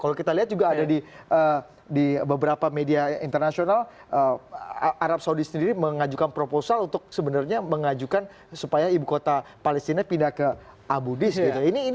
kalau kita lihat juga ada di beberapa media internasional arab saudi sendiri mengajukan proposal untuk sebenarnya mengajukan supaya ibu kota palestina pindah ke abu dhis gitu